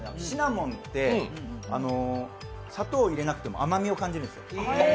シナモンって、砂糖を入れなくても甘みを感じるんですよ。